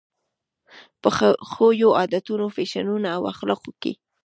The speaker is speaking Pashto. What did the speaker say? په خویونو، عادتونو، فیشنونو او اخلاقو کې.